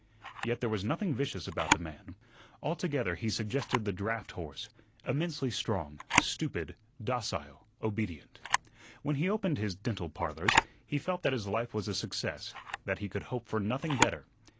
Yet there was nothing vicious about the man. Altogether he suggested the draught horse, immensely strong, stupid, docile, obedient. When he opened his "Dental Parlors," he felt that his life was a success, that he could hope for nothing better.